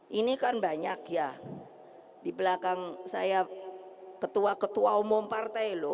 ini kan banyak ya di belakang saya ketua ketua umum partai loh